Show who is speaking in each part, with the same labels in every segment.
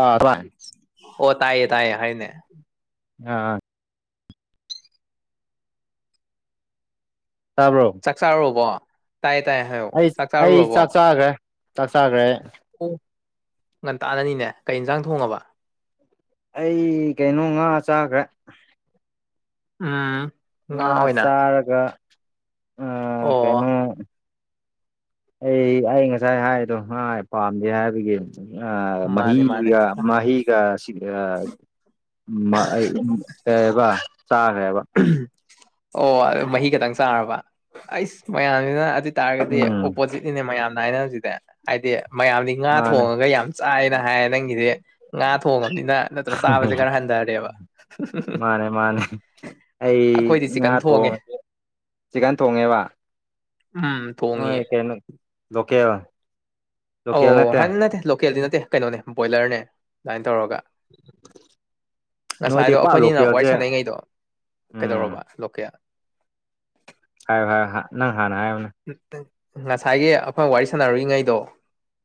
Speaker 1: ꯑꯥꯟ
Speaker 2: ꯑꯣ ꯇꯥꯏꯌꯦ ꯇꯥꯏꯌꯦ ꯍꯥꯏꯅꯦ
Speaker 1: ꯑꯥ ꯇꯥꯕ꯭ꯔꯣ
Speaker 2: ꯆꯥꯛ ꯆꯔꯔꯕꯕꯣ ꯇꯥꯏꯌꯦ ꯇꯥꯏꯌꯦ ꯍ
Speaker 1: ꯑꯩ ꯑꯩ ꯆꯥꯛ ꯆꯥꯈ꯭ꯔꯦ ꯆꯥꯛ ꯆꯥꯈ꯭ꯔꯦ
Speaker 2: ꯑꯣ ꯉꯟꯇꯥꯥꯅꯅꯤꯅꯦ ꯀꯩ ꯌꯦꯟꯁꯥꯡ ꯊꯣꯡꯉꯕ
Speaker 1: ꯑꯩ ꯀꯩꯅꯣ ꯉꯥ ꯆꯥꯈ꯭ꯔꯦ
Speaker 2: ꯑꯝ
Speaker 1: ꯉꯥ ꯆꯥꯔꯒ ꯑ
Speaker 2: ꯑꯣ
Speaker 1: ꯀꯩꯅꯣ ꯑꯩ ꯑꯩ ꯉꯁꯥꯏ ꯍꯥꯏꯗꯣ ꯉ ꯄꯥꯝꯗꯦ ꯍꯥꯏꯕꯒꯤ ꯑ
Speaker 2: ꯃꯥꯅꯦ ꯃꯥꯅꯦ
Speaker 1: ꯃꯤꯒ ꯃꯍꯤꯒ ꯁꯤ ꯑ ꯑꯩ ꯀꯕ ꯆꯥꯈ꯭ꯔꯦꯕ
Speaker 2: ꯑꯣ ꯑꯗꯨ ꯃꯍꯤ ꯈꯛꯇꯪ ꯆꯥꯔꯕ ꯑꯩꯁ ꯃꯌꯥꯝꯁꯤꯅ ꯑꯗꯨ ꯇꯥꯔꯒꯗꯤ
Speaker 1: ꯎꯝ
Speaker 2: ꯑꯣꯄꯣꯖꯤꯠꯅꯤꯅꯦ ꯃꯌꯥꯝꯅ ꯍꯥꯏꯅ ꯍꯧꯖꯤꯛꯗ ꯍꯥꯏꯗꯤ ꯃꯌꯥꯝꯗꯤ ꯉꯥ
Speaker 1: ꯃꯥꯅꯦ
Speaker 2: ꯊꯣꯡꯉꯒ ꯌꯥꯝ ꯆꯥꯏꯅ ꯍꯥꯏꯌꯦ ꯅꯪꯒꯤꯗꯤ ꯉꯥ ꯊꯣꯡꯉꯕꯅꯤꯅ ꯅꯠꯇ꯭ꯔ ꯆꯥꯕꯁꯦ ꯈꯔ ꯍꯟꯊꯔꯦꯕ
Speaker 1: ꯃꯥꯅꯦ ꯑꯩ
Speaker 2: ꯑꯩꯈꯣꯏꯗꯤ
Speaker 1: ꯉꯥ
Speaker 2: ꯆꯤꯛꯀꯟ ꯊꯣꯡꯉꯦ
Speaker 1: ꯊꯣꯡꯉꯒꯦ ꯆꯤꯛꯀꯟ ꯊꯣꯡꯉꯦꯕ
Speaker 2: ꯎꯝ
Speaker 1: ꯍꯣꯏ
Speaker 2: ꯊꯣꯡꯉꯦ
Speaker 1: ꯀꯩꯅꯣ ꯂꯀꯦꯜ
Speaker 2: ꯑꯣ ꯍꯥꯏꯗꯤ ꯅꯠꯇꯦ ꯂꯣꯀꯦꯜꯗꯤ ꯅꯠꯇꯦ ꯀꯩꯅꯣꯅꯦ ꯕꯣꯏꯂꯔꯅꯦ ꯑꯗꯨꯃꯥꯏꯅ ꯇꯧꯔꯒ
Speaker 1: ꯅꯣꯏꯗꯤ
Speaker 2: ꯉꯁꯥꯏꯗꯣ
Speaker 1: ꯄꯥꯛ
Speaker 2: ꯑꯩꯈꯣꯏꯅꯤꯅ ꯋꯥꯔꯤ
Speaker 1: ꯂꯣꯀꯦꯜꯁꯦ
Speaker 2: ꯁꯥꯟꯅꯔꯤꯉꯩꯗꯣ
Speaker 1: ꯎꯝ
Speaker 2: ꯀꯩꯗꯧꯔꯕ ꯂꯣꯀꯦꯌꯥ
Speaker 1: ꯍꯥꯏꯌ ꯍꯥꯏ ꯅꯪ ꯍꯥꯟꯅ ꯍꯥꯏꯅꯦ
Speaker 2: ꯎ ꯉꯁꯥꯏꯒꯤ ꯑꯩꯈꯣꯏ ꯋꯥꯔꯤ ꯁꯥꯟꯅꯔꯨꯏꯉꯩꯗꯣ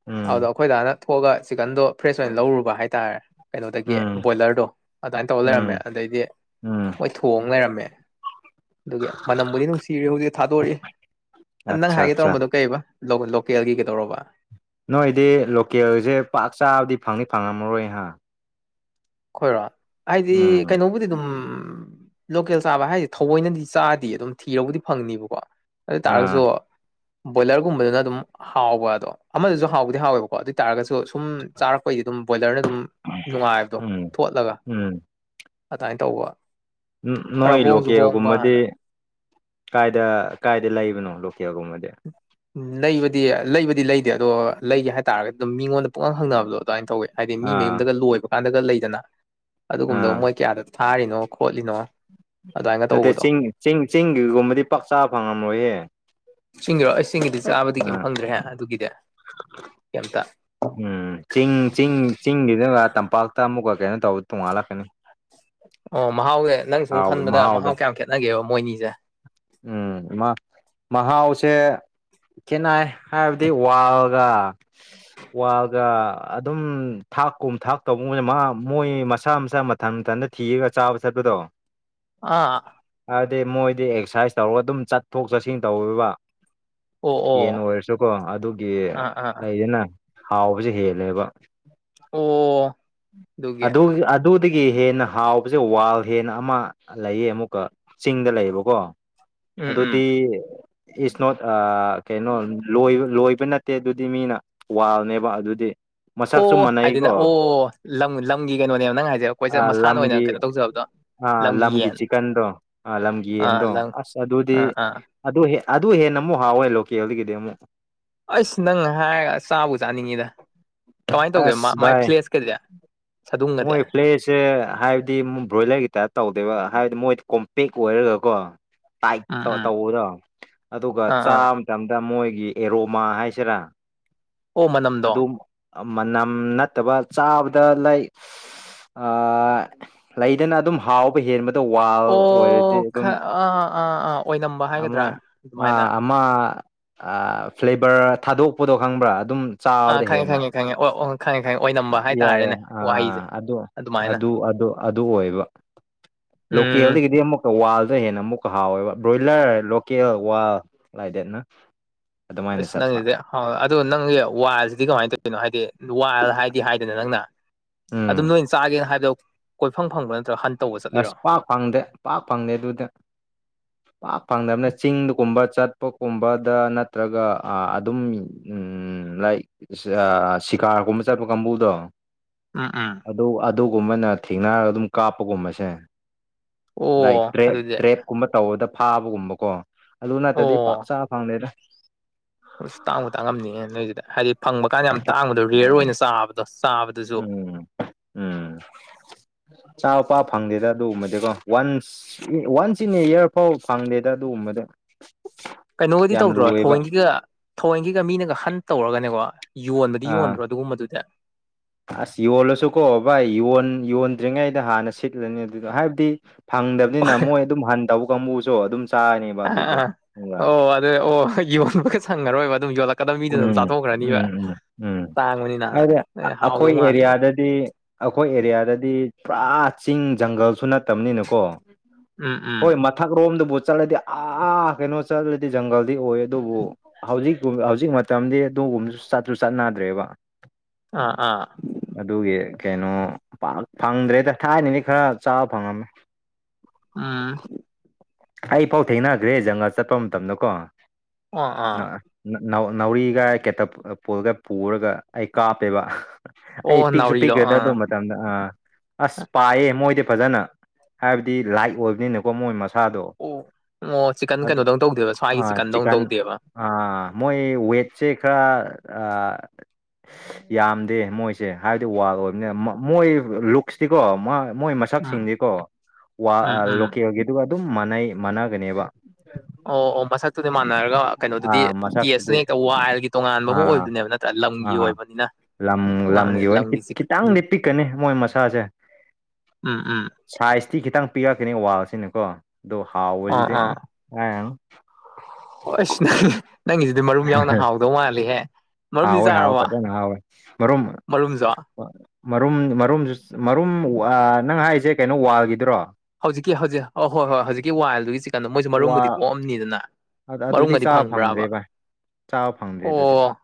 Speaker 1: ꯎꯝ
Speaker 2: ꯑꯗꯨꯗ ꯑꯩꯈꯣꯏꯗꯥꯅ ꯊꯣꯛꯑꯒ ꯆꯤꯛꯀꯟꯗꯣ ꯐ꯭ꯔꯦꯁ ꯑꯣꯏꯅ ꯂꯧꯔꯨꯕ ꯍꯥꯏꯇꯥꯔꯦ ꯀꯩꯅꯣꯗꯒꯤ
Speaker 1: ꯎꯝ
Speaker 2: ꯕꯣꯏꯂꯔꯗꯣ ꯑꯗꯨꯃꯥꯏꯅ ꯇꯧꯔ ꯂꯩꯔꯝꯃꯦ
Speaker 1: ꯎꯝ
Speaker 2: ꯑꯗꯩꯗꯤ
Speaker 1: ꯎꯝ
Speaker 2: ꯃꯣꯏ ꯊꯣꯡꯑꯒ ꯂꯩꯔꯝꯃꯦ ꯑꯗꯨꯒꯤ ꯃꯅꯝꯕꯨꯗꯤ ꯅꯨꯡꯁꯤꯔꯤ ꯍꯧꯖꯤꯛꯇꯤ ꯊꯥꯗꯣꯔꯛꯏ ꯅꯪ
Speaker 1: ꯑꯠꯆꯥ
Speaker 2: ꯍꯥꯏꯒꯦ
Speaker 1: ꯑꯠꯆꯥ
Speaker 2: ꯇꯧꯔꯝꯕꯗꯣ ꯀꯩꯔꯤꯕ ꯂꯣꯀꯦꯜꯒꯤ ꯀꯩꯗꯧꯔꯕ
Speaker 1: ꯅꯣꯏꯗꯤ ꯂꯣꯀꯦꯜꯁꯦ ꯄꯥꯛ ꯆꯥꯕꯗꯤ ꯐꯪꯗꯤ ꯐꯪꯉꯝꯃꯔꯣꯏꯍ
Speaker 2: ꯈꯣꯏꯔꯣ ꯍꯥꯏꯗꯤ
Speaker 1: ꯎꯝ
Speaker 2: ꯀꯩꯅꯣꯕꯨꯗꯤ ꯑꯗꯨꯝ ꯂꯣꯀꯦꯜ ꯆꯥꯕ ꯍꯥꯏꯁꯦ ꯊꯑꯣꯏꯅꯗꯤ ꯆꯥꯗꯤ ꯑꯗꯨꯝ ꯊꯤꯔꯕꯨꯗꯤ ꯐꯪꯅꯤꯕꯀꯣ ꯑꯗ
Speaker 1: ꯑꯥ
Speaker 2: ꯇꯥꯁꯨꯣ ꯕꯣꯏꯂꯔꯒꯨꯝꯕꯗꯅ ꯑꯗꯨꯝ ꯍꯥꯎꯕ ꯑꯗꯣ ꯑꯃꯗꯁꯨ ꯍꯥꯎꯕꯗꯤ ꯍꯥꯎꯋꯦꯕꯀꯣ ꯑꯗꯨ ꯑꯣꯏꯇꯥꯥꯔꯒꯁꯨ ꯊꯨꯝ ꯆꯥꯔꯛꯄꯩꯗꯤ ꯑꯗꯨꯝ ꯕꯣꯏꯂꯔꯅ ꯑꯗꯨꯝ ꯅꯨꯡꯉꯥꯏꯕꯗꯣ
Speaker 1: ꯎꯝ
Speaker 2: ꯆꯠꯂꯒ
Speaker 1: ꯎꯝ
Speaker 2: ꯑꯗꯨꯃꯥꯏꯅ ꯇꯧꯕ ꯈꯔ
Speaker 1: ꯅꯣꯏ
Speaker 2: ꯍꯣꯡꯁꯨ ꯍꯣꯡꯕ
Speaker 1: ꯂꯣꯀꯦꯜꯒꯨꯝꯕꯗꯤ
Speaker 2: ꯍꯥꯟꯅ
Speaker 1: ꯀꯥꯏꯗ ꯀꯥꯏꯗ ꯂꯩꯕꯅꯣ ꯂꯣꯀꯦꯜꯒꯨꯝꯕꯗꯤ
Speaker 2: ꯎ ꯂꯩꯕꯗꯤ ꯂꯩꯕꯗꯤ ꯂꯩꯇꯦ ꯑꯗꯣ ꯂꯩꯒꯦ ꯍꯥꯏꯇꯥꯔꯒꯗꯤ ꯑꯗꯨꯝ ꯃꯤꯉꯣꯟꯗ ꯄꯨꯛꯥꯡ ꯍꯪꯅꯕꯗꯣ ꯑꯗꯨꯃꯥꯏꯅ ꯇꯧꯋꯤ ꯍꯥꯏꯗꯤ ꯃꯤ
Speaker 1: ꯑꯥ
Speaker 2: ꯃꯌꯨꯝꯗꯒ ꯂꯣꯏꯕ ꯀꯥꯟꯗꯒ ꯂꯩꯗꯅ ꯑꯗꯨꯒꯨꯝꯂꯒ ꯃꯣꯏ ꯀꯌꯥꯗ ꯊꯥꯔꯤꯅꯣ ꯈꯣꯠꯂꯤꯅꯣ ꯑꯗꯨꯃꯥꯏꯅ
Speaker 1: ꯑꯗ
Speaker 2: ꯇꯧꯕꯗꯣ
Speaker 1: ꯆꯤꯡ ꯆꯤꯡ ꯆꯤꯡꯒꯤꯒꯨꯝꯕꯗꯤ ꯄꯥꯛ ꯆꯥꯕ ꯐꯪꯉꯝꯃꯣꯏꯍꯦ
Speaker 2: ꯆꯤꯡꯒꯤꯔꯑꯣ ꯑꯩ ꯆꯁꯤꯡꯒꯤꯗꯤ ꯆꯥꯕꯗꯤ ꯀꯩꯝ
Speaker 1: ꯑꯥ
Speaker 2: ꯐꯪꯗ꯭ꯔꯦꯍꯦ ꯑꯗꯨꯒꯤꯗꯤ ꯀꯩꯝꯇ
Speaker 1: ꯎꯝ ꯆꯤꯡ ꯆꯤꯡ ꯆꯤꯡꯒꯤꯗꯒ ꯇꯝꯄꯥꯛꯇ ꯑꯃꯨꯛꯀ ꯀꯩꯅꯣ ꯇꯧꯕ ꯇꯣꯡꯉꯥꯜꯂꯥꯛꯀꯅꯤ
Speaker 2: ꯑꯣ ꯃꯍꯥꯎꯁꯦ ꯅꯪ ꯁꯨꯝ
Speaker 1: ꯍꯥꯎꯕ
Speaker 2: ꯈꯟꯕꯗ
Speaker 1: ꯃꯍꯥꯎꯗꯣ
Speaker 2: ꯃꯍꯥꯎ ꯀꯌꯥꯝ ꯈꯦꯠꯅꯒꯦꯕ ꯃꯣꯏꯅꯤꯁꯦ
Speaker 1: ꯎꯝ ꯃꯥ ꯃꯍꯥꯎꯁꯦ ꯀꯦꯅꯥꯏ ꯍꯥꯏꯕꯗꯤ ꯋꯥꯜꯒ ꯋꯥꯒ ꯑꯗꯨꯝ ꯊꯥꯛꯀꯨꯝ ꯊꯥꯛ ꯇꯧꯕꯒꯅ ꯃꯥ ꯃꯣꯏ ꯃꯁꯥ ꯃꯁꯥ ꯃꯊꯟ ꯃꯊꯟꯗ ꯊꯤꯔꯒ ꯆꯥꯕ ꯆꯠꯄꯗꯣ
Speaker 2: ꯑꯥ
Speaker 1: ꯑꯗꯨꯗꯤ ꯃꯣꯏꯗꯤ ꯑꯦꯛꯁꯔꯁꯥꯏꯁ ꯇꯧꯔꯒ ꯑꯗꯨꯝ ꯆꯠꯊꯣꯛ ꯆꯠꯁꯤꯟ ꯇꯧꯋꯕ
Speaker 2: ꯑꯣ
Speaker 1: ꯌꯦꯟ
Speaker 2: ꯑꯣ
Speaker 1: ꯑꯣꯏꯔꯁꯨꯀꯣ ꯑꯗꯨꯒꯤ
Speaker 2: ꯑꯥ ꯑꯥ
Speaker 1: ꯂꯩꯗꯅ ꯍꯥꯎꯕꯁꯦ ꯍꯦꯜꯂꯦꯕ
Speaker 2: ꯑꯣ ꯑꯗꯨꯒꯤ
Speaker 1: ꯑꯗꯨꯗ ꯑꯗꯨꯗꯒꯤ ꯍꯦꯟꯅ ꯍꯥꯎꯕꯁꯦ ꯋꯥꯜ ꯍꯦꯟꯅ ꯑꯃ ꯂꯩꯌꯦ ꯑꯃꯨꯛꯀ ꯆꯤꯡꯗ ꯂꯩꯌꯦꯕꯀꯣ
Speaker 2: ꯎꯝ
Speaker 1: ꯑꯗꯨꯗꯤ
Speaker 2: ꯎꯝ
Speaker 1: ꯏꯁ ꯅꯣꯠ ꯀꯩꯅꯣ ꯂꯣꯏꯕ ꯂꯣꯏꯕ ꯅꯠꯇꯦ ꯑꯗꯨꯗꯤ ꯃꯤꯅ ꯋꯥꯜꯅꯦꯕ ꯑꯗꯨꯗꯤ ꯃꯁꯛꯁꯨ
Speaker 2: ꯑꯣ ꯍꯥꯏꯗꯤꯅ
Speaker 1: ꯃꯥꯟꯅꯩꯀꯣ
Speaker 2: ꯑꯣ ꯂꯝ ꯂꯝꯒꯤ ꯀꯩꯅꯣꯅꯦꯕ ꯅꯪ ꯍꯥꯏꯁꯦꯕ ꯑꯩꯈꯣꯏꯁꯦ ꯃꯁꯥꯅ ꯑꯣꯏꯅ ꯀꯩꯅꯣ ꯇꯧꯖꯕꯗꯣ
Speaker 1: ꯑ ꯂꯝꯒꯤ ꯆꯤꯀꯟꯗꯣ ꯑ ꯂꯝꯒꯤ
Speaker 2: ꯑꯥ
Speaker 1: ꯌꯦꯟꯗꯣ
Speaker 2: ꯂꯝ
Speaker 1: ꯑꯁ ꯑꯗꯨꯗꯤ
Speaker 2: ꯑꯥ ꯑꯥ
Speaker 1: ꯑꯗꯨ ꯑꯗꯨ ꯍꯦꯟꯅ ꯑꯃꯨꯛ ꯍꯥꯎꯋꯦ ꯂꯣꯀꯦꯜꯗꯒꯤꯗꯤ ꯑꯃꯨꯛ
Speaker 2: ꯑꯩꯁ ꯅꯪ ꯍꯥꯏꯔꯒ ꯆꯥꯕꯨ ꯆꯥꯅꯤꯡꯉꯤꯗ ꯀꯃꯥꯏꯅ ꯇꯧꯒꯦ
Speaker 1: ꯑꯁ
Speaker 2: ꯃꯥꯏ
Speaker 1: ꯚꯥꯏ
Speaker 2: ꯐ꯭ꯂꯦꯁꯀꯗꯤ ꯁꯥꯗꯨꯡꯒꯗꯤ
Speaker 1: ꯃꯣꯏ ꯄ꯭ꯂꯦꯁ ꯁꯦ ꯍꯥꯏꯕꯗꯤ ꯃꯨꯛ ꯕ꯭ꯔꯣꯏꯂꯔꯒꯤꯇ ꯇꯧꯗꯦꯕ ꯍꯥꯏꯕꯗꯤ ꯃꯣꯏꯗꯤ ꯀꯣꯝꯄꯦꯛ ꯑꯣꯏꯔꯒꯀꯣ ꯇ
Speaker 2: ꯎꯝ ꯎꯝ
Speaker 1: ꯇꯧꯕꯗꯣ ꯑꯗꯨꯒ
Speaker 2: ꯑꯥ
Speaker 1: ꯆꯥ
Speaker 2: ꯑꯥ
Speaker 1: ꯃꯇꯝꯗ ꯃꯣꯏꯒꯤ ꯑꯦꯔꯣꯃꯥ ꯍꯥꯏꯁꯤꯔꯥ
Speaker 2: ꯑꯣ ꯃꯅꯝꯗꯣ
Speaker 1: ꯑꯗꯨꯝ ꯃꯅꯝ ꯅꯠꯇꯕ ꯆꯥꯕꯗ ꯅ ꯑꯗꯨ ꯍ ꯋꯥꯜ ꯑꯣꯏꯔꯗꯤ
Speaker 2: ꯑꯣ
Speaker 1: ꯑꯗꯨꯝ
Speaker 2: ꯈ ꯑꯥ ꯑꯥ ꯑꯥ ꯑꯣꯏꯅꯝꯕ ꯍꯥꯏꯒꯗ꯭ꯔꯥ ꯑꯗꯨꯃꯥꯏꯅ
Speaker 1: ꯃꯥ ꯐ꯭ꯂꯦꯕꯔ ꯊꯥꯗꯣꯛꯄꯗꯣ ꯈꯪꯕ꯭ꯔꯥ ꯑꯗꯨꯝ
Speaker 2: ꯑꯥ
Speaker 1: ꯆꯥꯕꯗ
Speaker 2: ꯈꯪꯉꯦ
Speaker 1: ꯍꯦꯟꯅ
Speaker 2: ꯈꯪꯉꯦ ꯈꯪꯉꯦ ꯑꯣ ꯈꯪꯉꯦ ꯈꯪꯉꯦ ꯑꯣꯏ ꯅꯝꯕ
Speaker 1: ꯌꯥꯏ ꯌꯥꯏ ꯑꯥ ꯑꯗꯨ ꯑꯗꯨ ꯑꯗꯨ ꯑꯗꯨ ꯑꯣꯏꯕ ꯂꯦ
Speaker 2: ꯎꯝ
Speaker 1: ꯍꯦꯜꯗꯤ ꯀꯗꯤ ꯑꯃꯨꯛ ꯋꯥꯜꯗꯣ ꯍꯦꯟꯅ ꯑꯃꯨꯛꯀ ꯍꯥꯎꯋꯦꯕ ꯕ꯭ꯔꯣꯏꯂꯔ ꯂꯣꯀꯦꯜ ꯋꯥꯜ ꯂꯥꯏꯗꯦꯠꯅ ꯑꯗꯨꯃꯥꯏꯅ
Speaker 2: ꯑꯁ
Speaker 1: ꯆꯠꯄ
Speaker 2: ꯅꯪꯁꯤꯗꯤ ꯍ ꯑꯗꯨꯗꯣ ꯅꯪꯒꯤ ꯋꯥꯁꯤꯗꯤ ꯀꯃꯥꯏꯅ ꯇꯧꯔꯤꯅꯣ ꯍꯥꯏꯗꯤ ꯋꯥꯜ ꯍꯥꯏꯗꯤ ꯍꯥꯏꯗꯅ ꯅꯪꯅ
Speaker 1: ꯎꯝ
Speaker 2: ꯑꯗꯨꯝ ꯅꯣꯏꯅ ꯆꯥꯒꯦꯅ ꯍꯥꯏꯕꯗꯣ ꯀꯣꯏꯐꯝ ꯐꯪꯕ ꯅꯠꯇ꯭ꯔꯒ
Speaker 1: ꯑꯁ ꯄꯥꯛ ꯐꯪꯗꯦ ꯄꯥꯛ ꯐꯪꯗꯦ ꯑꯗꯨꯗ ꯄꯥꯛ ꯐꯪꯗꯕꯅ ꯆꯤꯡꯒꯨꯝꯕ ꯆꯠꯄꯒꯨꯝꯕꯗ ꯅꯠꯇ꯭ꯔꯒ ꯑꯗꯨꯝ ꯎꯝ ꯂꯥꯏꯛ ꯁꯤꯀꯥꯔꯒꯨꯝꯕ ꯆꯠꯄ ꯀꯥꯡꯕꯨꯗꯣ
Speaker 2: ꯎꯝ ꯎꯝ
Speaker 1: ꯑꯗꯨ ꯑꯗꯨꯒꯨꯝꯕꯅ ꯊꯦꯡꯅꯔꯒ ꯑꯗꯨꯝ ꯀꯥꯞꯄꯒꯨꯝꯕꯁꯦ ꯂꯥꯏꯐ
Speaker 2: ꯑꯣ
Speaker 1: ꯇ
Speaker 2: ꯑꯗꯨꯗꯤ
Speaker 1: ꯇ꯭ꯔꯦꯞꯀꯨꯝꯕ ꯇꯧꯗ ꯐꯥꯕꯒꯨꯝꯕꯀꯣ ꯑꯗꯨ ꯅꯠꯇ꯭ꯔꯗꯤ ꯄꯥꯛ ꯆꯥ ꯐꯪꯗꯦꯗ
Speaker 2: ꯇꯥꯡꯕ ꯇꯥꯡꯉꯝꯅꯤꯉ ꯅꯣꯏꯁꯤꯗ ꯍꯥꯏꯗꯤ ꯐꯪꯕ ꯀꯥꯟꯗ ꯌꯥꯝ ꯇꯥꯡꯕꯗꯣ ꯔꯦꯌꯔ ꯑꯣꯏꯅ ꯆꯥꯕꯗꯣ ꯆꯥꯕꯗ
Speaker 1: ꯎꯝ ꯎꯝ ꯆꯄꯥ ꯐꯪꯗꯦꯗ ꯑꯗꯨꯒꯨꯝꯕꯗꯤꯀꯣ ꯋꯥꯟꯁ ꯋꯥꯟꯁ ꯏꯟ ꯑꯦ ꯏꯌꯥꯔ ꯐꯥꯎꯕ ꯐꯪꯗꯦꯗ ꯑꯗꯨꯒꯨꯝꯕꯗ
Speaker 2: ꯀꯩꯅꯣꯒꯗꯤ ꯇꯧꯗ꯭ꯔꯣ ꯊꯑꯣꯏꯟꯒꯤꯒ ꯊꯑꯣꯏꯟꯒꯤꯒ ꯃꯤꯅꯒ ꯍꯟ ꯇꯧꯔꯒꯅꯦꯕꯣ ꯌꯣꯟꯕꯗꯤ
Speaker 1: ꯑꯥ
Speaker 2: ꯌꯣꯟꯗ꯭ꯔꯣ ꯑꯗꯨꯒꯨꯝꯕꯗꯨꯗꯤ
Speaker 1: ꯑꯁ ꯌꯣꯜꯂꯁꯨꯀꯣ ꯚꯥꯏ ꯌꯣꯟ ꯌꯣꯟꯗ꯭ꯔꯤꯉꯩꯗ ꯍꯥꯟꯅ ꯁꯤꯠꯂꯅꯤ ꯑꯗꯨꯗ ꯍꯥꯏꯕꯗꯤ
Speaker 2: ꯑꯥ
Speaker 1: ꯐꯪꯗꯕꯅꯤꯅ ꯃꯣꯏ ꯑꯗꯨꯝ ꯍꯟ ꯇꯧꯕ ꯀꯥꯡꯕꯨꯁꯨ ꯑꯗꯨꯝ ꯆꯥꯔꯅꯦꯕ
Speaker 2: ꯑꯥ
Speaker 1: ꯑꯗꯨꯗꯤ
Speaker 2: ꯑꯥ
Speaker 1: ꯈꯪꯕ꯭ꯔꯥ
Speaker 2: ꯑꯣ ꯑꯗꯨ ꯑꯣ ꯌꯣꯟꯕꯒ ꯁꯪꯉꯔꯣꯏꯕ ꯑꯗꯨꯝ ꯌꯣꯂ ꯀꯗꯕ ꯃꯤꯗꯨ ꯑꯗꯨꯝ
Speaker 1: ꯎꯝ
Speaker 2: ꯆꯥꯊꯣꯛꯈ꯭ꯔꯅꯤꯕ
Speaker 1: ꯎꯝ ꯎꯝ ꯎꯝ
Speaker 2: ꯇꯥꯡꯕꯅꯤꯅ ꯍꯥꯎꯗꯧ ꯃꯥꯜꯂꯤꯅꯦ
Speaker 1: ꯗꯤ ꯑꯩꯈꯣꯏ ꯑꯦꯔꯤꯌꯥꯗꯗꯤ ꯄꯨꯔꯥ ꯆꯤꯡ ꯖꯪꯒꯜꯁꯨ ꯅꯠꯇꯕꯅꯤꯅꯀꯣ
Speaker 2: ꯎꯝ
Speaker 1: ꯍꯣꯏ
Speaker 2: ꯎꯝ
Speaker 1: ꯃꯥ ꯃꯊꯛꯔꯣꯝꯗꯕꯨ ꯆꯠꯂꯗꯤ ꯑꯥ ꯀꯩꯅꯣ ꯆꯠꯂꯗꯤ ꯖꯪꯒꯜꯗꯤ ꯑꯣꯏ ꯑꯗꯨꯕꯨ ꯍꯧꯖꯤꯛ ꯍꯧꯖꯤ ꯍꯧꯖꯤꯛ ꯃꯇꯝꯗꯤ ꯑꯗꯨꯒꯨꯝꯕꯁꯨ ꯆꯠꯁꯨ ꯆꯠꯅ ꯗ꯭ꯔꯦꯕ
Speaker 2: ꯑꯥ ꯑꯥ
Speaker 1: ꯑꯗꯨꯒꯤ ꯀꯩꯅꯣ ꯄꯥꯛ ꯐꯪꯗ꯭ꯔꯦꯗ ꯊꯥꯏꯅꯗꯤ ꯈꯔ ꯆꯥꯕ ꯐꯪꯉꯝꯃꯦ
Speaker 2: ꯎꯝ
Speaker 1: ꯑꯩ ꯄꯥꯎ ꯊꯦꯡꯅꯈ꯭ꯔꯦ ꯖꯪꯒꯥ ꯆꯠꯄ ꯃꯇꯝꯗꯀꯣ
Speaker 2: ꯑꯥ ꯑꯥ
Speaker 1: ꯅꯥꯎꯔꯤꯒ ꯀꯦꯇ ꯄꯨꯜꯒ ꯄꯨꯔꯒ ꯑꯩ ꯀꯥꯞꯄꯦꯕ ꯑꯩ
Speaker 2: ꯑꯣ
Speaker 1: ꯄꯤꯛꯁꯨꯨ ꯄꯤꯛ
Speaker 2: ꯅꯥꯎꯔꯤꯗꯣ
Speaker 1: ꯔꯗꯥꯗꯣ
Speaker 2: ꯑꯥ
Speaker 1: ꯃ ꯇꯝꯗ ꯑꯥ ꯑꯁ ꯄꯥꯏꯌꯦ ꯃꯣꯏꯗꯤ ꯐꯖꯅ ꯍꯥꯏꯕꯗꯤ ꯂꯥꯏꯛ ꯑꯣꯏꯕꯅꯤꯅꯀꯣ ꯃꯣꯏ ꯃꯁꯥꯗꯣ
Speaker 2: ꯑꯣ ꯑꯣ ꯆꯤꯛꯀꯟ
Speaker 1: ꯑꯗꯣ
Speaker 2: ꯀꯩꯅꯣꯗꯧ ꯇꯧꯗꯦꯕ ꯁ꯭ꯋꯥꯏꯒꯤ ꯆꯤꯛꯀꯟꯗꯧ
Speaker 1: ꯆꯤꯀꯟ
Speaker 2: ꯇꯧꯗꯦꯕ
Speaker 1: ꯑꯥ ꯃꯣꯏ ꯋꯦꯠꯁꯦ ꯈꯔ ꯌꯥꯝꯗꯦ ꯃꯣꯏꯁꯦ ꯍꯥꯏꯕꯗꯤ ꯋꯥ ꯑꯣꯏꯕꯅꯤꯅ ꯃꯣꯏ ꯂꯨꯛꯁꯇꯤꯀꯣ ꯃꯣꯏ
Speaker 2: ꯎꯝ
Speaker 1: ꯁꯛꯁꯤꯡꯁꯤꯀꯣ
Speaker 2: ꯎꯝ ꯎꯝ
Speaker 1: ꯂꯣꯀꯦꯜꯒꯤꯗꯨ ꯑꯗꯨꯝ ꯃꯅꯩ ꯃꯥꯟꯅꯒꯅꯦꯕ
Speaker 2: ꯑꯣ ꯑꯣ ꯃꯁꯛ ꯇꯨꯗꯤ ꯃꯥꯟꯅꯔꯒ ꯀꯩꯅꯣꯗꯨꯗꯤ
Speaker 1: ꯑꯥ ꯃꯁꯛꯇꯨꯗꯤ
Speaker 2: ꯇꯦꯁꯇꯨ ꯍꯦꯛꯇ ꯋ꯭ꯑꯥꯏꯜꯒꯤ ꯇꯣꯉꯥꯟꯕ ꯑꯃ
Speaker 1: ꯑꯥ
Speaker 2: ꯑꯣꯏꯕꯗꯨꯅꯦꯕ ꯅꯠꯇ꯭ꯔ ꯂꯝꯒꯤ
Speaker 1: ꯑꯥ
Speaker 2: ꯑꯣꯏꯕꯅꯤꯅ
Speaker 1: ꯂꯝ
Speaker 2: ꯇꯣꯉꯥꯟꯕꯅꯦ
Speaker 1: ꯂꯝꯒꯤ ꯑꯣꯏꯅ
Speaker 2: ꯆꯤꯛ
Speaker 1: ꯈꯤꯇꯪꯗꯤ ꯄꯤꯛꯀꯅꯤ ꯃꯣꯏ ꯃꯁꯥꯁꯦ
Speaker 2: ꯎꯝ ꯎꯝ
Speaker 1: ꯁꯥꯏꯖꯇꯤ ꯈꯤꯇꯪ ꯄꯤꯔꯛꯀꯅꯤ ꯋꯥꯜꯁꯤꯅꯀꯣ ꯑꯗꯣ
Speaker 2: ꯑꯥ
Speaker 1: ꯍꯥꯎꯁꯤꯗꯤ
Speaker 2: ꯑꯣꯁ ꯅꯪꯒꯤꯁꯤꯗꯤ ꯃꯔꯨꯝ ꯌꯥꯎꯅ ꯍꯥꯎꯗꯧ ꯃꯥꯜꯂꯦꯍꯦ
Speaker 1: ꯍꯥꯎꯋꯦ ꯍꯥꯎꯋꯦ ꯐꯖꯅ ꯍꯥꯎꯋꯦ ꯃꯔꯨꯝ
Speaker 2: ꯃꯔꯨꯝꯁꯨ
Speaker 1: ꯃꯔꯨꯝ ꯃꯔꯨꯝꯁꯨ ꯃꯔꯨꯝ ꯅꯪ ꯍꯥꯏꯁꯦ ꯀꯩꯅꯣ ꯋꯥꯜꯒꯤꯗꯨꯔꯣ
Speaker 2: ꯍꯧꯖꯤꯛꯀꯤ ꯍꯧꯖꯤꯛ ꯑ ꯍꯣꯏ ꯍꯣꯏ ꯍꯧꯖꯤꯛꯀꯤ ꯋꯥꯏꯜꯗꯨꯒꯤ ꯆꯤꯛꯀꯟꯗꯣ ꯃꯣꯏꯁꯨ
Speaker 1: ꯋꯥ
Speaker 2: ꯃꯔꯨꯝꯕꯨꯗꯤ ꯀꯣꯛꯑꯝꯅꯤꯗꯅ
Speaker 1: ꯑꯗ ꯑꯗꯨꯗꯤ
Speaker 2: ꯃꯅꯨꯡꯒꯗꯤ
Speaker 1: ꯆꯥꯕ ꯐꯪꯗ꯭ꯔꯦ
Speaker 2: ꯐꯪꯕ꯭ꯔꯥꯕ
Speaker 1: ꯚꯥꯏ ꯆꯥꯕ ꯐꯪꯗ꯭ꯔꯦ ꯑꯗꯨꯗꯤ
Speaker 2: ꯑꯣ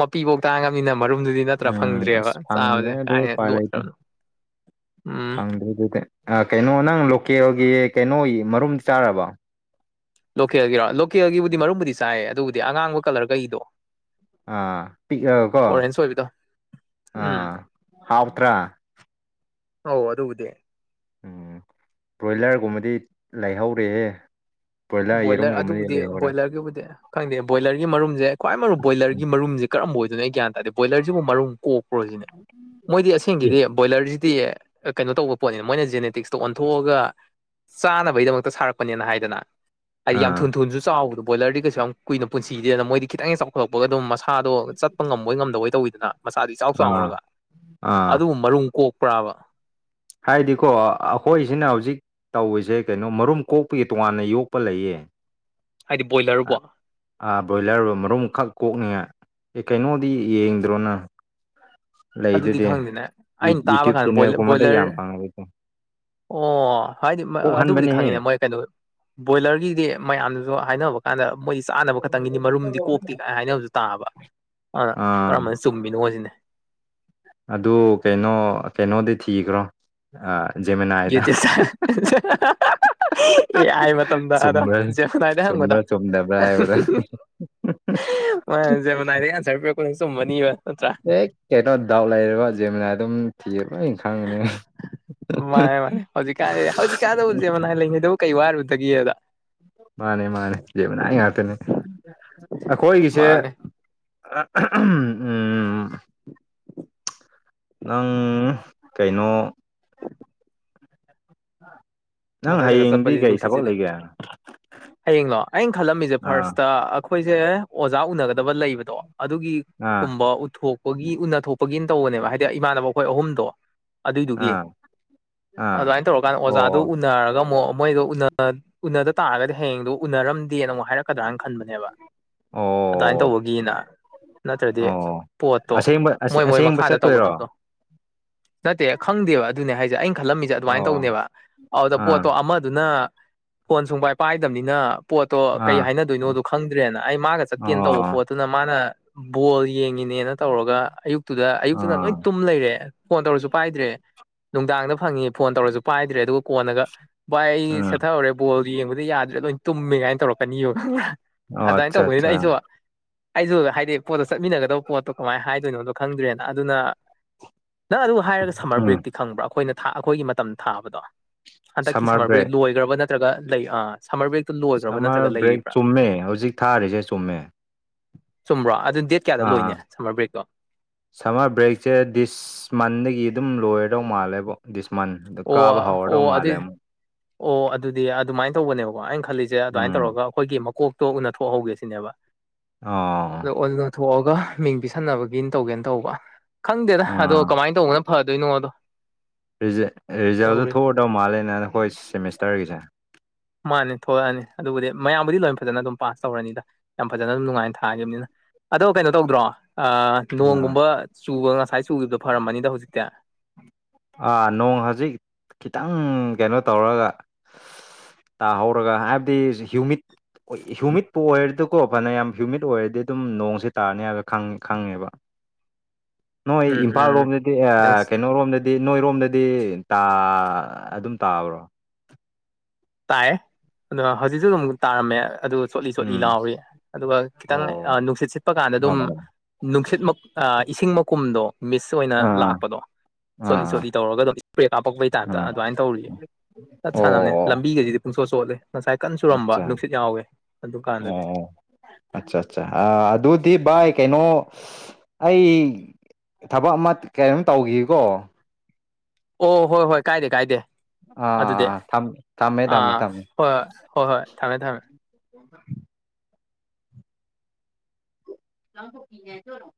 Speaker 2: ꯃꯄꯤꯐꯧ ꯇꯥꯡꯉꯕꯅꯤꯅ ꯃꯔꯨꯝꯗꯨꯗꯤ ꯅꯠꯇ꯭ꯔꯥ
Speaker 1: ꯎꯝ
Speaker 2: ꯐꯪꯗ꯭ꯔꯦꯕ
Speaker 1: ꯑꯁ
Speaker 2: ꯆꯥꯕꯁꯦ ꯀꯥꯏ ꯂꯣꯠꯇ꯭ꯔꯕꯅꯣ ꯎꯝ
Speaker 1: ꯐꯪꯗꯦ ꯑꯗꯨꯗꯤ ꯀꯩꯅꯣ ꯅꯪ ꯂꯣꯀꯦꯜꯒꯤ ꯀꯩꯅꯣꯒꯤ ꯃꯔꯨꯝ ꯆꯥꯔꯕꯣ
Speaker 2: ꯂꯣꯀꯦꯜꯒꯤꯔꯣ ꯂꯣꯀꯦꯜꯒꯤꯕꯨꯗꯤ ꯃꯔꯨꯝꯕꯨꯗꯤ ꯆꯥꯏꯌꯦ ꯑꯗꯨꯕꯨꯗꯤ ꯑꯉꯥꯡꯕ ꯀꯂꯔ ꯀꯩꯗꯣ
Speaker 1: ꯑꯥ ꯄꯤꯛꯑꯒꯀꯣ
Speaker 2: ꯑꯣꯔꯦꯟꯖ ꯑꯣꯏꯕꯗꯣ
Speaker 1: ꯑꯥ
Speaker 2: ꯎꯝ
Speaker 1: ꯍꯥꯎꯇ꯭ꯔꯥ
Speaker 2: ꯑꯧ ꯑꯗꯨꯕꯨꯗꯤ
Speaker 1: ꯎꯝ ꯕꯣꯏꯂꯔꯒꯨꯝꯕꯗꯤ ꯂꯩꯍꯧꯔꯦꯍꯦ ꯕ꯭ꯔꯣꯏꯂꯔ
Speaker 2: ꯕꯣꯏꯂꯔ
Speaker 1: ꯌꯦꯔꯨꯝꯒꯨꯝꯕꯗꯤ
Speaker 2: ꯑꯗꯨꯕꯨꯗꯤ
Speaker 1: ꯂꯩꯍꯧꯔꯦ
Speaker 2: ꯕꯣꯏꯂꯔꯒꯤꯕꯨꯗꯤ ꯈꯪꯗꯦ ꯕꯣꯏꯂꯔꯒꯤ ꯃꯔꯨꯝꯁꯦ ꯈ꯭ꯋꯥꯏ ꯃꯔꯨꯝ ꯕꯣꯏꯂꯔꯒꯤ ꯃꯔꯨꯝꯁꯦ ꯀꯔꯝꯕ ꯑꯣꯏꯗꯨꯅꯣ ꯑꯩ ꯒ꯭ꯌꯥꯟ ꯇꯥꯔꯗꯤ ꯕꯣꯏꯔꯕꯨ ꯃꯔꯨꯝ ꯀꯣꯛꯄ꯭ꯔꯣꯁꯤꯅꯦ
Speaker 1: [unintelligible] [inaudible]
Speaker 2: ꯃꯣꯏꯗꯤ
Speaker 1: ꯑꯦ
Speaker 2: ꯑꯁꯦꯡꯒꯤꯗꯤ ꯕꯣꯏꯂꯔꯁꯤꯗꯤ ꯀꯩꯅꯣ ꯇꯧꯕ ꯄꯣꯠꯅꯤꯅ ꯃꯣꯏꯅ ꯖꯦꯅꯦꯇꯤꯛꯁꯇ ꯑꯣꯟꯊꯣꯛꯑꯒ ꯆꯥꯅꯕꯒꯤꯗꯃꯛꯇ ꯁꯥꯔꯛꯄꯅꯦꯅ ꯍꯥꯏꯗꯅ ꯍꯥꯏꯗꯤ ꯌꯥꯝ
Speaker 1: ꯑꯥ
Speaker 2: ꯊꯨꯁꯨ ꯆꯥꯎꯕꯣ ꯕꯣꯏꯔ ꯀꯩꯁꯨ ꯌꯥꯝ ꯀꯨꯏꯅ ꯄꯨꯟꯁꯤꯗ ꯃꯣꯏꯗꯤ ꯈꯤꯇꯪ ꯆꯥꯎ ꯊꯣꯛꯂꯛꯄꯒ ꯑꯗꯨꯝ ꯃꯁꯥꯗꯣ ꯆꯠꯄ ꯉꯝꯕꯣꯏ ꯉꯝꯗꯕꯣꯏ ꯇꯧꯋꯤꯗꯅ ꯃꯁꯥꯗꯤ ꯆꯥꯎ
Speaker 1: ꯑꯥ
Speaker 2: ꯆꯥꯎꯔꯒ
Speaker 1: ꯑꯥ
Speaker 2: ꯑꯗꯨꯕꯨ ꯃꯔꯨꯝ ꯀꯣꯛꯄ꯭ꯔꯥꯕ
Speaker 1: ꯍꯥꯏꯗꯤꯀꯣ ꯑꯩꯈꯣꯏꯁꯤꯅ ꯍꯧꯖꯤꯛ ꯇꯧꯏꯁꯦ ꯀꯩꯅꯣ ꯃꯔꯨꯝ ꯀꯣꯛꯄꯒꯤ ꯇꯣꯉꯥꯟꯅ ꯌꯣꯛꯄ ꯂꯩꯌꯦ
Speaker 2: ꯍꯥꯏꯗꯤ ꯕꯣꯏꯂꯔꯕꯣ
Speaker 1: ꯑꯥ ꯕꯣꯏꯂꯔ ꯃꯔꯨꯝꯈꯛ ꯀꯣꯛꯅꯤꯉꯥꯏ ꯀꯩꯅꯣꯗꯤ ꯌꯦꯡꯗ꯭ꯔꯣ ꯅꯪ
Speaker 2: ꯑꯗꯨꯗꯤ ꯈꯪꯗꯦꯅ ꯑꯩꯅ ꯇꯥꯕ
Speaker 1: ꯌꯨꯇ꯭ꯌꯨꯕ
Speaker 2: ꯀꯥꯟꯗ
Speaker 1: ꯆꯦꯅꯦꯜꯒꯨꯝꯕꯗ ꯌꯥꯝ
Speaker 2: ꯕꯣꯏꯂꯔ
Speaker 1: ꯐꯪꯉꯦ
Speaker 2: ꯑꯣ ꯍꯥꯏꯗꯤ ꯑꯗꯨꯕꯨꯗꯤ
Speaker 1: ꯀꯣꯛꯍꯟꯕꯅꯦꯍꯦ
Speaker 2: ꯈꯪꯉꯤꯅꯦ ꯃꯣꯏ ꯀꯩꯅꯣ ꯕꯣꯏꯂꯔꯒꯤꯗꯤ ꯃꯌꯥꯝꯅꯁꯨ ꯍꯥꯏꯅꯕ ꯀꯥꯟꯗ ꯃꯣꯏꯁꯤ ꯆꯥꯅꯕ ꯈꯛꯇꯪꯒꯤꯅꯤ ꯃꯔꯨꯝꯗꯤ ꯀꯣꯛꯇꯦ ꯀꯥꯏ ꯍꯥꯏꯅꯕꯗꯨ ꯇꯥꯕ ꯑꯗ
Speaker 1: ꯑꯥ
Speaker 2: ꯀꯔꯝꯕꯅ ꯆꯨꯝꯃꯤꯅꯣ ꯁꯤꯅꯦ
Speaker 1: ꯑꯗꯨ ꯀꯩꯅꯣ ꯀꯩꯅꯣꯗꯤ ꯊꯤꯈ꯭ꯔꯣ ꯑꯥ ꯖꯦꯃꯤꯅꯥꯏꯗ
Speaker 2: ꯌꯨꯇ꯭ꯌꯨꯕꯇ ꯑꯦ ꯑꯥꯏ ꯃꯇꯝꯗ ꯑꯗ
Speaker 1: ꯆꯨꯝꯕ꯭ꯔꯥ
Speaker 2: ꯖꯦꯃꯤꯅꯥꯏꯗ ꯍꯪꯕꯗ
Speaker 1: ꯆꯨꯝꯕ꯭ꯔꯥ ꯆꯨꯝꯗꯕ꯭ꯔꯥ ꯍꯥꯏꯕꯗꯣ
Speaker 2: ꯃꯅꯦ ꯖꯦꯃꯅꯥꯏꯗꯩ ꯑꯟꯁꯔ ꯄꯤꯔꯛꯄꯗꯨ ꯆꯨꯝꯃꯅꯤꯕ ꯅꯠꯇ꯭ꯔꯥ
Speaker 1: ꯍꯦꯛ ꯀꯩꯅꯣ ꯗꯥꯎꯠ ꯂꯩꯔꯕ ꯖꯦꯃꯤꯅꯥ ꯑꯗꯨꯝ ꯊꯤꯌꯣ ꯂꯣꯏꯅ ꯈꯪꯒꯅꯤ
Speaker 2: ꯃꯥꯅꯦ ꯃꯥꯅꯦ ꯍꯧꯖꯤꯛꯀꯥꯟꯁꯦ ꯍꯧꯖꯤꯛꯀꯥꯟꯗꯕꯨ ꯖꯦꯃꯅꯥꯏ ꯂꯩꯉꯩꯗꯕꯨ ꯀꯩ ꯋꯥꯔꯨꯕꯗꯒꯦꯗ
Speaker 1: ꯃꯥꯅꯦ ꯃꯥꯅꯦ ꯖꯦꯃꯥꯅꯥꯏ ꯉꯥꯛꯇꯅꯦ ꯑꯩꯈꯣꯏꯒꯤꯁꯦ
Speaker 2: ꯃꯥꯅꯦ
Speaker 1: ꯑ ꯎꯝ ꯎꯝ ꯅꯪ ꯀꯩꯅꯣ ꯅꯪ
Speaker 2: ꯃꯊꯛꯇꯒ
Speaker 1: ꯍꯌꯦꯡꯗꯤ
Speaker 2: ꯆꯠꯄꯁꯤꯗꯤ
Speaker 1: ꯀꯩ ꯊꯕꯛ
Speaker 2: ꯅꯨꯡꯁꯤꯠꯁꯤꯗꯤ
Speaker 1: ꯂꯩꯒꯦ
Speaker 2: ꯍꯌꯦꯡꯂꯣ ꯑꯩꯅ ꯈꯜꯂꯝꯃꯤꯁꯦ
Speaker 1: ꯑꯥ
Speaker 2: ꯐꯥꯔꯁꯇ ꯑꯩꯈꯣꯏꯁꯦ ꯑꯣꯖꯥ ꯎꯅꯒꯗꯕ ꯂꯩꯕꯗꯣ ꯑꯗꯨꯒꯤ ꯀꯨꯝꯕ ꯎꯠꯊꯣꯛ ꯒꯤ ꯎꯅ ꯊꯣꯛꯄꯒꯤꯅ ꯇꯧꯕꯅꯦꯕ ꯍꯥꯏꯗꯤ ꯏꯃꯥꯟꯅꯕ ꯍꯣꯏ ꯑꯍꯨꯝꯗꯣ ꯑꯗꯨꯏꯗꯨꯒꯤ
Speaker 1: ꯑꯥ ꯑꯥ
Speaker 2: ꯑꯗꯨꯃꯥꯏꯅ ꯇꯧꯔꯀꯥꯟꯗ ꯑꯣꯖꯥꯗꯨ
Speaker 1: ꯑꯣ
Speaker 2: ꯎꯅꯔꯒ ꯑꯃꯨꯛ ꯃꯣꯏꯒ ꯎꯅ ꯎꯅꯗ ꯇꯥꯔꯒꯗꯤ ꯍꯌꯦꯡꯗꯨ ꯎꯅꯔꯝꯗꯦꯅ ꯑꯃꯨꯛ ꯍꯥꯏꯔꯛꯀꯗ꯭ꯔꯥꯅ ꯈꯟꯕꯅꯦꯕ ꯑꯗꯨꯃꯥꯏꯅ
Speaker 1: ꯑꯣ
Speaker 2: ꯇꯧꯕꯒꯤꯅ ꯅꯠꯇ꯭ꯔꯗꯤ
Speaker 1: ꯑꯣ
Speaker 2: ꯄꯣꯠꯇꯣ
Speaker 1: ꯑꯁꯦꯡꯕ
Speaker 2: ꯃꯣꯏ ꯃꯣꯏ
Speaker 1: ꯑꯁꯦꯡꯕ
Speaker 2: ꯃꯈꯥꯗ
Speaker 1: ꯆꯠꯇꯣꯏꯔꯣ
Speaker 2: ꯇꯧꯒꯗꯕꯗꯣ ꯅꯠꯇꯦ ꯈꯪꯗꯦꯕ ꯑꯗꯨꯅꯦ ꯍꯥꯏꯁꯦ ꯑꯩꯅ ꯈꯜꯂꯝꯃꯤꯁꯦ ꯑꯗꯨꯃꯥꯏꯅ
Speaker 1: ꯑꯣ
Speaker 2: ꯇꯧꯅꯦꯕ ꯑꯗꯨꯗ
Speaker 1: ꯑꯥ
Speaker 2: ꯄꯣꯠꯇꯣ ꯑꯃꯗꯨꯅ ꯐꯣꯟ ꯁꯨꯡꯄꯥꯏ ꯄꯥꯏꯗꯕꯅꯤꯅ ꯄꯣꯠꯇꯣ ꯀꯩ
Speaker 1: ꯑꯥ ꯑꯣ
Speaker 2: ꯍꯥꯏꯅꯗꯣꯏꯅꯣꯗꯣ ꯈꯪꯗ꯭ꯔꯦꯅ ꯑꯩ ꯃꯥꯒ ꯆꯠꯀꯦꯅ ꯇꯧꯕ ꯄꯣꯠ ꯅ ꯃꯥꯅ ꯕꯣꯜ ꯌꯦꯡꯉꯤꯅꯦꯅ ꯇꯧꯔꯒ ꯑꯌꯨꯛꯇꯨꯗ ꯑꯌꯨꯛꯇꯨꯅ ꯂꯣꯏ
Speaker 1: ꯑꯥ
Speaker 2: ꯇꯨꯝ ꯂꯩꯔꯦ ꯐꯣꯟ ꯇꯧꯔꯁꯨ ꯄꯥꯏꯗ꯭ꯔꯦ ꯅꯨꯡꯗꯥꯡꯗ ꯐꯪꯉꯤ ꯐꯣꯟ ꯇꯧꯔꯁꯨ ꯄꯥꯏꯗ꯭ꯔꯦ ꯑꯗꯨꯒ ꯀꯣꯟꯅꯒ ꯚꯥꯏ ꯑꯩ
Speaker 1: ꯎꯝ
Speaker 2: ꯁꯦꯠꯊꯍꯧꯔꯦ ꯕꯣꯜ ꯌꯦꯡꯕꯗꯤ ꯌꯥꯗ꯭ꯔꯦ ꯂꯣꯏꯅ ꯇꯨꯝꯃꯦ ꯀꯥꯏꯅ ꯇꯧꯔꯛꯀꯅꯤꯕ ꯈꯪꯕꯔꯥ
Speaker 1: ꯑꯣ
Speaker 2: ꯑꯗꯨꯃꯥꯏꯅ
Speaker 1: ꯑꯠꯆꯥ
Speaker 2: ꯇꯧꯕꯅꯤꯅ
Speaker 1: ꯑꯠꯆꯥ
Speaker 2: ꯑꯩꯁꯨ ꯑꯩꯁꯨ ꯍꯥꯏꯗꯤ ꯄꯣꯠꯇꯣ ꯆꯠꯃꯤꯟꯅꯒꯗꯕ ꯄꯣꯠꯇꯣ ꯀꯃꯥꯏꯅ ꯍꯥꯏꯗꯣꯏꯅꯣꯗꯣ ꯈꯪꯗ꯭ꯔꯦꯅ ꯑꯗꯨꯅ ꯅꯪ ꯑꯗꯨ ꯍꯥꯏꯔꯒ ꯁꯝꯃꯔ
Speaker 1: ꯎꯝ
Speaker 2: ꯕ꯭ꯔꯦꯛꯇꯤ ꯈꯪꯕ꯭ꯔꯥ ꯑꯩꯈꯣꯏꯅ ꯊꯥ ꯑꯩꯈꯣꯏꯒꯤ ꯃꯇꯝ ꯊꯥꯕꯗꯣ ꯍꯟꯗꯛꯀꯤ ꯁꯝꯃꯔ ꯕ꯭ꯔꯦꯛ ꯂꯣꯏꯈ꯭ꯔꯕ ꯅꯠꯇ꯭ꯔꯒ ꯂꯩ ꯑ ꯁꯝꯃꯔ ꯕ꯭ꯔꯦꯛꯇꯨ ꯂꯣꯏꯈ꯭ꯔꯕ
Speaker 1: ꯁꯝꯃꯔ
Speaker 2: ꯅꯠꯇ꯭ꯔꯒ
Speaker 1: ꯕ꯭ꯔꯦꯛ
Speaker 2: ꯂꯩꯔꯤꯕ꯭ꯔꯥ
Speaker 1: ꯆꯨꯝꯃꯦ ꯍꯧꯖꯤꯛ ꯊꯥꯔꯤꯁꯦ ꯆꯨꯝꯃꯦ
Speaker 2: ꯆꯨꯝꯕ꯭ꯔꯣ ꯑꯗꯨ ꯗꯦꯠ ꯀꯌꯥꯗ
Speaker 1: ꯑꯥ
Speaker 2: ꯂꯣꯏꯅꯤ ꯁꯝꯃꯔ ꯕ꯭ꯔꯦꯛꯇꯣ
Speaker 1: ꯁꯝꯃꯔ ꯕ꯭ꯔꯦꯛꯁꯦ ꯗꯤꯁ ꯃꯟꯗꯒꯤ ꯑꯗꯨꯝ ꯂꯣꯏꯔꯗꯧ ꯃꯥꯜꯂꯦꯕꯣ ꯗꯤꯁ ꯃꯟ ꯑꯗꯣ
Speaker 2: ꯑꯣ
Speaker 1: ꯀꯥꯕ ꯍꯧꯔꯗꯣ
Speaker 2: ꯑꯣ ꯑꯗꯨꯏ
Speaker 1: ꯃꯥꯜꯂꯦ ꯑꯝ
Speaker 2: ꯑꯣ ꯑꯗꯨꯗꯤ ꯑꯗꯨꯃꯥꯏꯅ ꯇꯧꯕꯅꯦꯕꯀꯣ ꯑꯩꯅ ꯈꯜꯂꯤꯁꯦ ꯑꯗꯨꯃꯥꯏꯅ
Speaker 1: ꯎꯝ
Speaker 2: ꯇꯧꯔꯒ ꯑꯩꯈꯣꯏꯒꯤ ꯃꯀꯣꯛꯇꯣ ꯎꯅꯊꯣꯛꯍꯧꯒꯦ ꯁꯤꯅꯦꯕ
Speaker 1: ꯑꯣ
Speaker 2: ꯑꯣꯊꯣꯛꯑꯒ ꯃꯤꯡ ꯄꯤꯁꯟꯅꯕꯒꯤꯅ ꯇꯧꯒꯦꯅ ꯇꯧꯕ ꯈꯪꯗꯦꯗ ꯑꯗꯣ
Speaker 1: ꯑꯥ
Speaker 2: ꯀꯃꯥꯏꯅ ꯇꯧꯕꯅ ꯐ ꯗꯣꯏꯅꯣꯗꯣ
Speaker 1: ꯔꯤꯖꯜꯗꯨ ꯊꯣꯛꯑꯗꯧ ꯃꯥꯜꯂꯦꯅ ꯑꯩꯈꯣꯏ ꯁꯦꯃꯤꯁꯇꯔꯒꯤꯁꯦ
Speaker 2: ꯃꯥꯅꯤ ꯊꯣꯛꯂꯛꯑꯅꯤ ꯑꯗꯨꯕꯨꯗꯤ ꯃꯌꯥꯝꯕꯨꯗꯤ ꯂꯣꯏ ꯐꯖꯅ ꯑꯗꯨꯝ ꯄꯥꯁ ꯇꯧꯅꯅꯤꯗ ꯌꯥꯝ ꯐꯖꯅ ꯑꯗꯨꯝ ꯅꯨꯡꯉꯥꯏꯅ ꯊꯥꯈꯤꯕꯅꯤꯅ ꯑꯗꯣ ꯀꯩꯅꯣ ꯇꯧꯗ꯭ꯔꯣ ꯑꯥ
Speaker 1: ꯎꯝ
Speaker 2: ꯅꯣꯡꯒꯨꯝꯕ ꯆꯨꯕ ꯉꯁꯥꯏ ꯆꯨꯈꯤꯕꯗꯣ ꯐꯔꯝꯃꯅꯤꯗ ꯍꯧꯖꯤꯛꯇꯤ
Speaker 1: ꯑꯥ ꯅꯣꯡ ꯍꯧꯖꯤꯛ ꯈꯤꯇꯪ ꯀꯩꯅꯣ ꯇꯧꯔꯒ ꯇꯥꯍꯧꯔꯒ ꯍꯥꯏꯕꯗꯤ ꯍ꯭ꯌꯨꯃꯤꯠ ꯍ꯭ꯌꯨꯃꯤꯠꯄꯨ ꯑꯣꯏꯔꯗꯤꯀꯣ ꯐꯅꯌꯥꯝ ꯍ꯭ꯌꯨꯃꯤꯠ ꯑꯣꯏꯔꯗꯤ ꯑꯗꯨꯝ ꯅꯣꯡꯁꯤ ꯇꯥꯔꯅꯤ ꯍꯥꯏꯕ ꯈꯪ ꯈꯪꯉꯦꯕ ꯅꯣꯏ
Speaker 2: ꯎꯝ
Speaker 1: ꯏꯝꯐꯥꯜ
Speaker 2: ꯎꯝ
Speaker 1: ꯔꯣꯝꯗꯗꯤ
Speaker 2: ꯈꯤꯇꯪ
Speaker 1: ꯀꯩꯅꯣꯔꯣꯝꯗꯗꯤ ꯗꯤ ꯅꯣꯏꯔꯣꯝꯗꯗꯤ ꯇꯥ ꯑꯗꯨꯝ ꯇꯥꯕ꯭ꯔꯣ
Speaker 2: ꯇꯥꯏ ꯑꯗꯣ ꯍꯧꯖꯤꯛꯁꯨ ꯑꯗꯨꯝ ꯇꯥꯔꯝꯃꯦ ꯑꯗꯨ ꯆꯣꯠꯂꯤ ꯆꯣꯠꯂꯤ
Speaker 1: ꯎꯝ
Speaker 2: ꯂꯥꯎꯔꯤ ꯑꯗꯨꯒ ꯈꯤꯇꯪ
Speaker 1: ꯑꯣ
Speaker 2: ꯅꯨꯡꯁꯤꯠ ꯁꯤꯠꯄ ꯀꯥꯟꯗ ꯑꯗꯨꯝ
Speaker 1: ꯑꯣ
Speaker 2: ꯅꯨꯡꯁꯤꯠ ꯑ ꯏꯁꯤꯡ ꯃꯀꯨꯝꯗꯣ ꯃꯤꯁ ꯑꯣꯏꯅ
Speaker 1: ꯑꯥ
Speaker 2: ꯂꯥꯛꯄꯗꯣ ꯆꯣꯠꯂꯤ
Speaker 1: ꯑꯥ
Speaker 2: ꯆꯣꯠꯂꯤ ꯇꯧꯔꯒ ꯑꯗꯨꯝ ꯏꯁꯄ꯭ꯔꯦ ꯀꯥꯞꯄꯛꯄꯒꯤ ꯇꯥꯏꯞꯇ
Speaker 1: ꯑꯥ
Speaker 2: ꯑꯗꯨꯃꯥꯏꯅ ꯇꯧꯔꯤꯌꯦ
Speaker 1: ꯑꯣ
Speaker 2: ꯂꯝꯕꯤꯒꯩꯖꯤꯗꯤ ꯄꯨꯡꯆꯣꯠ ꯆꯣꯠꯂꯦ ꯉꯁꯥꯏ ꯀꯟ ꯆꯨꯔꯝꯕ
Speaker 1: ꯑꯠꯆꯥ
Speaker 2: ꯅꯨꯡꯁꯤꯠ ꯌꯥꯎꯋꯦ ꯑꯗꯨꯀꯥꯟꯗꯗꯤ
Speaker 1: ꯑꯣ ꯑꯠꯆꯥ ꯑꯠꯆꯥ ꯑꯗꯨꯗꯤ ꯚꯏ ꯀꯩꯅꯣ ꯑꯩ ꯊꯕꯛ ꯑꯃ ꯀꯩꯅꯣꯝ ꯇꯧꯒꯤꯒꯦꯀꯣ
Speaker 2: ꯑꯣ ꯍꯣꯏ ꯍꯣꯏ ꯀꯥꯏꯗꯦ ꯀꯥꯏꯗꯦ ꯑꯗꯨꯗꯤ
Speaker 1: ꯑꯥ ꯊꯃꯦ ꯊꯝꯃꯦ ꯊꯝꯃꯦ
Speaker 2: ꯑꯥ
Speaker 1: ꯊꯝꯃꯦ
Speaker 2: ꯍꯣꯏ ꯍꯣꯏ ꯍꯣꯏ ꯍꯣꯏ ꯊꯝꯃꯦ ꯊꯝꯃꯦ
Speaker 1: [unintelligible]